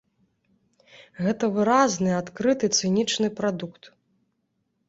Гэта выразны, адкрыты, цынічны прадукт.